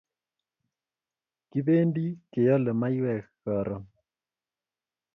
Kipendi keyale maiyek karun